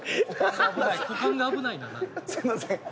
すいません。